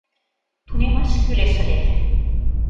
Тунемаш кӱлеш ыле.